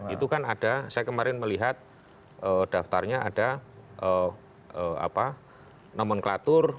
itu kan ada saya kemarin melihat daftarnya ada nomenklatur